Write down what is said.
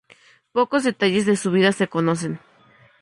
Pocos detalles de su vida se conocen.